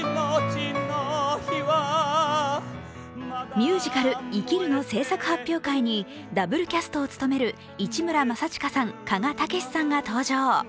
ミュージカル「生きる」の製作発表会にダブルキャストを務める市村正親さん、鹿賀丈史さんが登場。